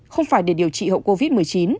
không phải để điều trị hậu covid một mươi chín